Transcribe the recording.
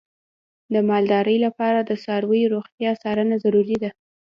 د مالدارۍ لپاره د څارویو روغتیا څارنه ضروري ده.